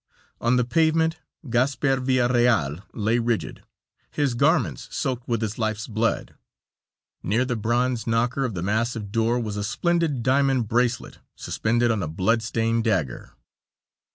On the pavement, Gasper Villareal lay rigid, his garments soaked with his life's blood. Near the bronze knocker of the massive door was a splendid diamond bracelet, suspended on a blood stained dagger.